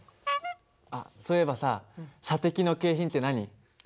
あっそういえばさ射的の景品って何？